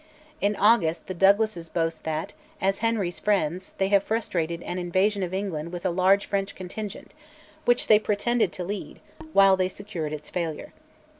In August the Douglases boast that, as Henry's friends, they have frustrated an invasion of England with a large French contingent, which they pretended to lead, while they secured its failure.